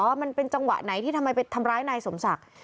ว่ามันเป็นจังหวะไหนที่ทำไมไปทำร้ายนายสมศักดิ์